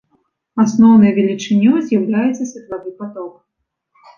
Асноўнай велічынёй з'яўляецца светлавы паток.